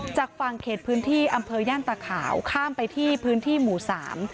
จากฝั่งเขตพื้นที่อำเภอย่านตาขาวข้ามไปที่พื้นที่หมู่สาม